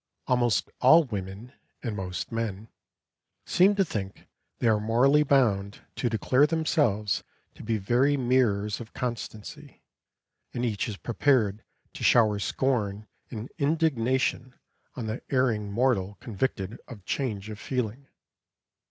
Almost all women, and most men, seem to think they are morally bound to declare themselves to be very mirrors of constancy, and each is prepared to shower scorn and indignation on the erring mortal convicted of change of feeling.